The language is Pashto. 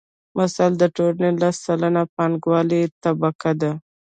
مثلاً د ټولنې لس سلنه یې پانګواله طبقه ده